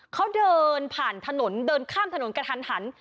เขาเดินผ่านถนนเดินข้ามถนนกระทันหัน